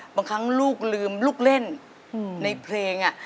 บางครั้งลูกลืมลูกเล่นในเพลง